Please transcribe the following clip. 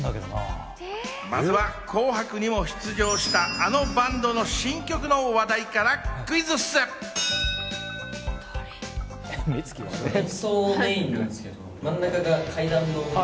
まずは『紅白』にも出場した、あのバンドの新曲の話題からクイ誰？